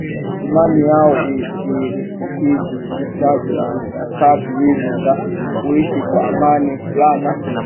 imani yao ili kukidhi hitaji la nyakati hizi la kuishi kwa amani furaha na